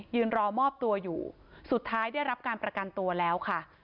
รอมอบตัวอยู่สุดท้ายได้รับการประกันตัวแล้วค่ะ